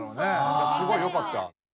・すごいよかった。